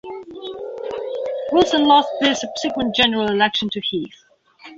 Wilson lost the subsequent General Election to Heath.